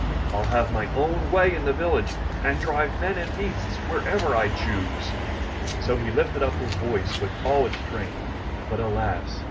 Fll have my own way in the village and drive men and beasts wherever I choose." So he lifted up his voice with all its strength, but alas